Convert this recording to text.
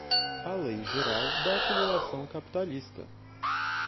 A lei geral da acumulação capitalista